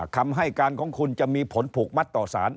คำให้การของคุณจะมีผลผูกมัดต่อสาร